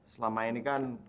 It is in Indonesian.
selama ini kan